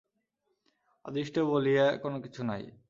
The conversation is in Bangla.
অদৃষ্ট বলিয়া কোন কিছু নাই।